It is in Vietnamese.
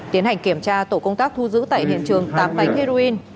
tiến hành kiểm tra tổ công tác thu giữ tại hiện trường tám bánh heroin